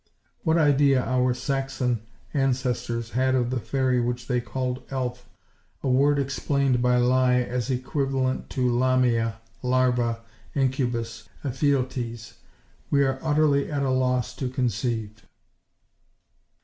What idea our Saxon ancestors had of the fairy which they called œlf, a word explained by Lye as equivalent to lamia, larva, incubus, ephialtes, we are utterly at a loss to conceive.